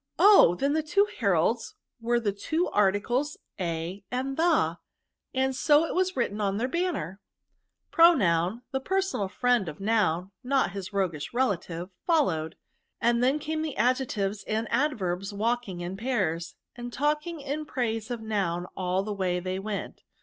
" Oh ! then the two heralds were the two articles A and The; and so it was written on their banner/' " Pronoun, the personal friend of Noun (not his roguish relative), followed ; and then came the Adjectives and Adverbs walking in pairs, and talking in praise of Noun all tho way they went.